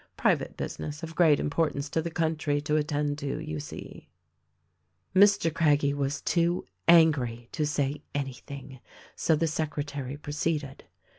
Private business of great importance to the country to attend ,to, you see." Mr. Craggie was too angry to say anything, so the sec retary proceeded.